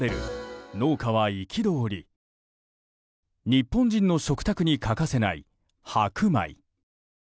日本人の食卓に欠かせない白米。